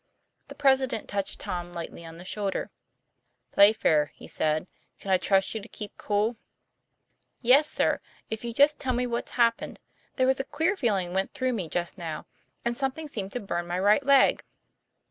The president touched Tom lightly on the shoulder. 'Playfair," he said, "can I trust you to keep cool ?" 'Yes, sir! if you just tell me what's happened. There was a queer feeling went through me just now, and something seemed to burn my right leg."